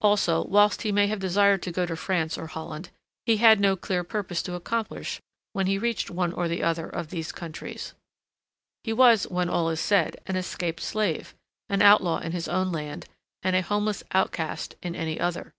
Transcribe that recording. Also, whilst he may have desired to go to France or Holland, he had no clear purpose to accomplish when he reached one or the other of these countries. He was, when all is said, an escaped slave, an outlaw in his own land and a homeless outcast in any other.